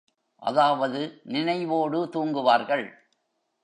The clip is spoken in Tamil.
அதாவது நினைவோடு தூங்குவார்கள்.